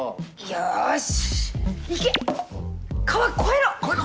よし！